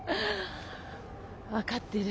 分かってる。